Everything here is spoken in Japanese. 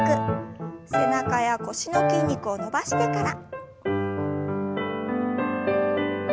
背中や腰の筋肉を伸ばしてから。